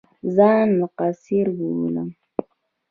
ځان مقصِر بولم.